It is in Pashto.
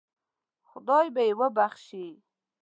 خدای به یې وبخشي.